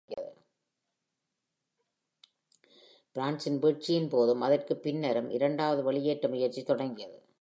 பிரான்சின் வீழ்ச்சியின் போதும் அதற்குப் பின்னரும் இரண்டாவது வெளியேற்ற முயற்சி தொடங்கியது.